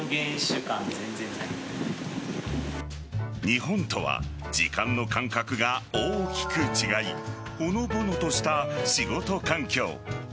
日本とは時間の感覚が大きく違いほのぼのとした仕事環境。